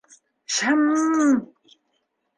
Шым-м!